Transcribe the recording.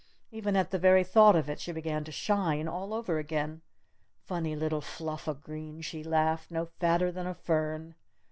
Even at the very thought of it she began to shine all over again! "Funny little fluff o' green," she laughed, "no fatter than a fern!"